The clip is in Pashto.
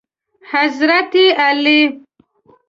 حضرت علی